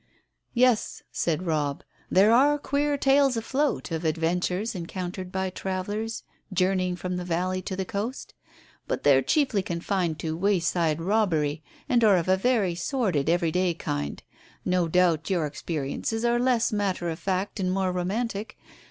"Yes," said Robb, "there are queer tales afloat of adventures encountered by travellers journeying from the valley to the coast. But they're chiefly confined to wayside robbery, and are of a very sordid, everyday kind. No doubt your experiences are less matter of fact and more romantic.